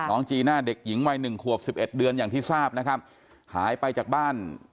จีน่าเด็กหญิงวัยหนึ่งขวบสิบเอ็ดเดือนอย่างที่ทราบนะครับหายไปจากบ้าน